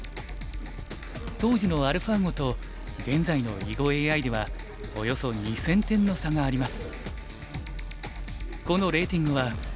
当時のアルファ碁と現在の囲碁ＡＩではおよそ２０００点の差があります。